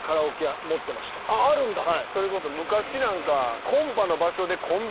それこそ昔なんか。